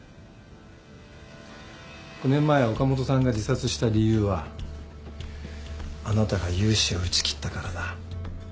９年前岡本さんが自殺した理由はあなたが融資を打ち切ったからだ。